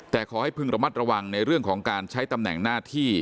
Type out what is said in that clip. แต่ขอให้พึงระมัดระวังในเรื่องของการใช้ตำแหน่งหน้าที่